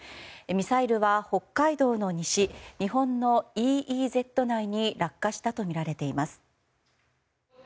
ミサイルは北海道の西日本のＥＥＺ内に落下したとみられています。